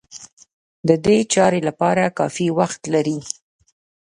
د دې چارې لپاره کافي وخت لري.